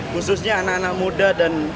khususnya anak anak muda dan emak emak